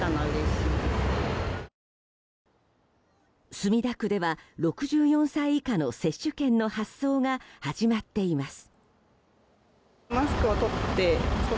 墨田区では６４歳以下の接種券の発送が始まっています。